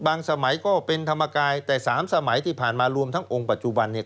สมัยก็เป็นธรรมกายแต่สามสมัยที่ผ่านมารวมทั้งองค์ปัจจุบันเนี่ย